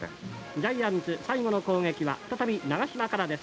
ジャイアンツ最後の攻撃は再び長嶋からです。